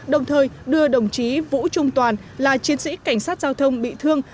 đồng thời đưa đồng chí vũ trung toàn là chiến sĩ cảnh sát giao thông bị thương